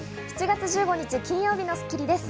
７月１５日、金曜日の『スッキリ』です。